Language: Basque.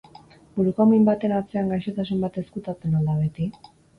Buruko min baten atzean gaixotasun bat ezkutatzen al da beti?